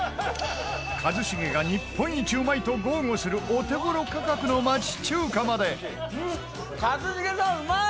一茂が日本一うまいと豪語するお手頃価格の町中華まで一茂さん、うまい！